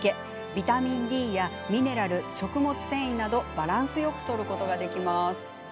ビタミンＤやミネラル食物繊維などバランスよくとることができます。